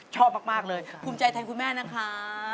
ขอบใจทั้งคุณแม่นะคะ